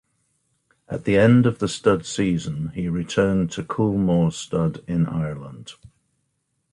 At the end of the stud season, he returned to Coolmore Stud in Ireland.